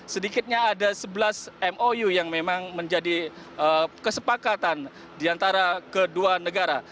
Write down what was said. sedikitnya ada sebelas mou yang memang menjadi kesepakatan di antara kedua negara